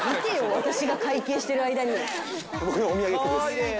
私が会計してる間に。